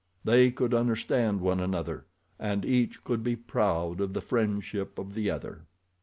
They could understand one another, and each could be proud of the friendship of the other.